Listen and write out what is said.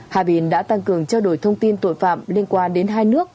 hà bình đã tăng cường trao đổi thông tin tội phạm liên quan đến hai nước